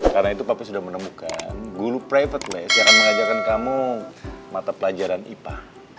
karena itu papa sudah menemukan guru private class yang akan mengajarkan kamu mata pelajaran ipa